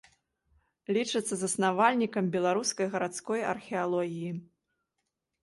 Лічыцца заснавальнікам беларускай гарадской археалогіі.